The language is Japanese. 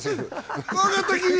分かったき